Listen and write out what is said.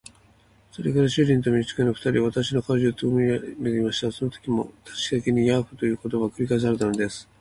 それから主人と召使の二人は、私たちの顔をじっとよく見くらべていましたが、そのときもまたしきりに「ヤーフ」という言葉が繰り返されたのです。